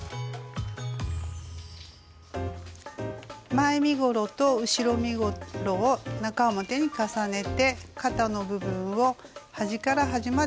前身ごろと後ろ身ごろを中表に重ねて肩の部分を端から端まで縫います。